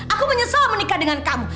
aku menyesal menikah dengan kamu